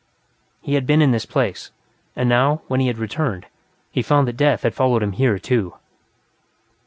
He had been in this place, and now, when he had returned, he found that death had followed him here, too.